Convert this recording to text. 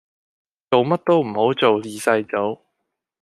做乜都唔好做二世祖